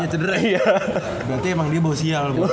berarti emang dia bau sial